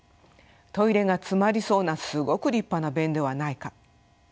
トイレが詰まりそうなすごく立派な便ではないか。